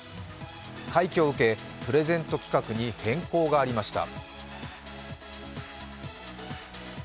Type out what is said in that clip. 快挙を受けプレゼント企画に変更がありました。